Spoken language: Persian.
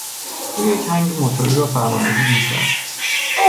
او یک هنگ موتوری را فرماندهی میکرد.